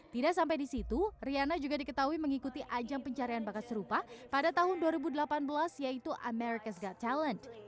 tidak sampai di situ riana juga diketahui mengikuti ajang pencarian bakat serupa pada tahun dua ribu delapan belas yaitu ⁇ americas ⁇ got talent